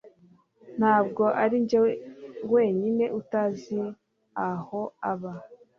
Ntabwo arinjye wenyine utazi aho aba.